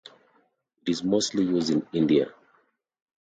It is mostly used in India.